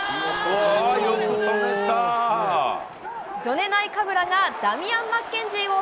ジョネ・ナイカブラが強烈！